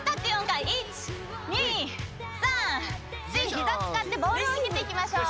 ヒザ使ってボールをうけていきましょう。